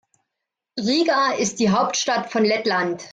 Riga ist die Hauptstadt von Lettland.